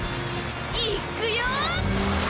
いっくよ！